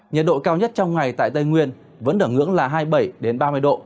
nhiệt độ cao nhất trong ngày tại tây nguyên vẫn ở ngưỡng là hai mươi bảy ba mươi độ